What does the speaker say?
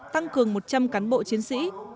tăng cường một trăm linh cán bộ chiến sĩ